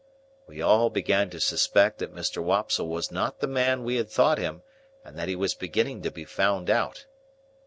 We all began to suspect that Mr. Wopsle was not the man we had thought him, and that he was beginning to be found out.